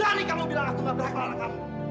rani kamu bilang aku gak berhak melarang kamu